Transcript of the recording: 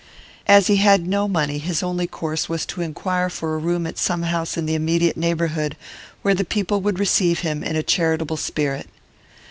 As he had no money, his only course was to inquire for a room at some house in the immediate neighbourhood, where the people would receive him in a charitable spirit.